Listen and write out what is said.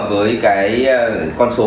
với cái con số